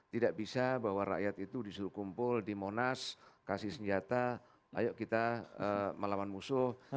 tidak bisa bahwa rakyat itu disuruh kumpul di monas kasih senjata ayo kita melawan musuh